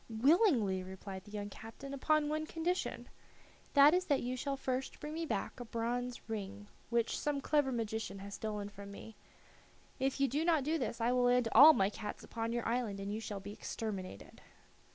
"Willingly," replied the young captain, "upon one condition. That is that you shall first bring me back a bronze ring which some clever magician has stolen from me. If you do not do this I will land all my cats upon your island, and you shall be exterminated."